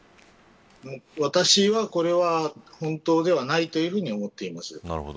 私は、これは本当ではないと思っています。